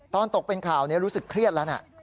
ตกเป็นข่าวนี้รู้สึกเครียดแล้วนะ